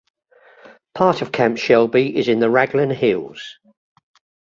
Part of Camp Shelby is in the Ragland Hills.